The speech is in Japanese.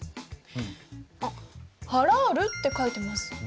「ハラール」って書いてます。